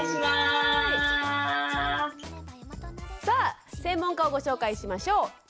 さあ専門家をご紹介しましょう。